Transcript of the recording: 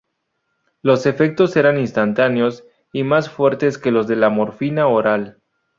Los efectos eran instantáneos y más fuertes que los de la morfina oral.